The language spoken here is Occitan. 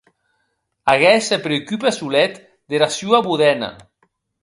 Aguest se preocupe solet dera sua bodena.